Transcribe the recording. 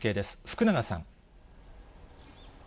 福永さん。